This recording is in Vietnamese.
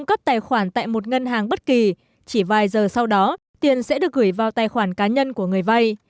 cấp tài khoản tại một ngân hàng bất kỳ chỉ vài giờ sau đó tiền sẽ được gửi vào tài khoản cá nhân của người vay